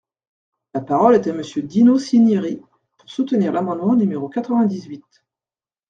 La parole est à Monsieur Dino Cinieri, pour soutenir l’amendement numéro quatre-vingt-dix-huit.